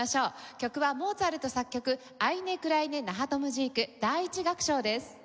曲はモーツァルト作曲『アイネ・クライネ・ナハトムジーク』第１楽章です。